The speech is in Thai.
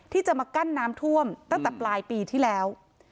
ที่จะมากั้นน้ำท่วมตั้งแต่ปลายปีที่แล้ว